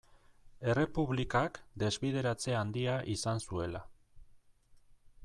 Errepublikak desbideratze handia izan zuela.